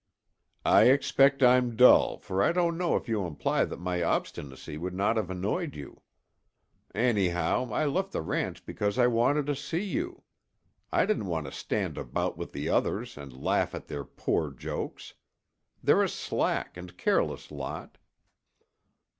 "I expect I'm dull, for I don't know if you imply that my obstinacy would not have annoyed you. Anyhow, I left the ranch because I wanted to see you. I didn't want to stand about with the others and laugh at their poor jokes. They're a slack and careless lot."